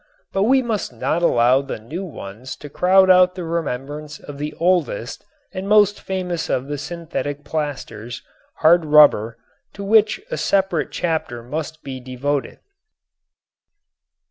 But we must not allow the new ones to crowd out the remembrance of the oldest and most famous of the synthetic plasters, hard rubber, to which a separate chapter must be devoted.